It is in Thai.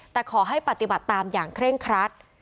แต่ขอให้ปฏิบัติตามอย่างเคร่งครัด